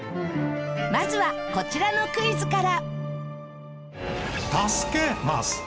まずはこちらのクイズから。